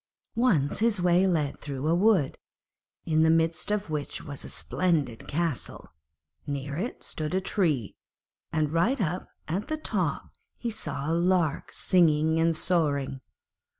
Once his way led through a wood, in the midst of which was a splendid castle; near it stood a tree, and right up at the top he saw a lark singing and soaring.